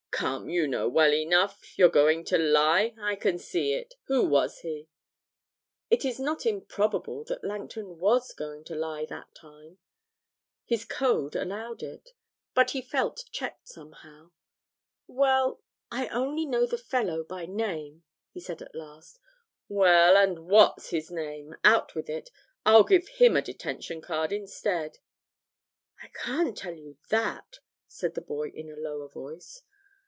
Come, you know well enough; you're going to lie, I can see. Who was he?' It is not improbable that Langton was going to lie that time his code allowed it but he felt checked somehow. 'Well, I only know the fellow by name,' he said at last. 'Well, and what's his name? Out with it; I'll give him a detention card instead.' 'I can't tell you that,' said the boy in a lower voice.